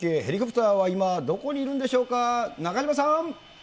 ヘリコプターは今、どこにいるんでしょうか。